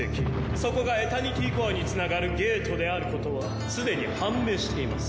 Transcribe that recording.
そこがエタニティコアにつながるゲートであることはすでに判明しています。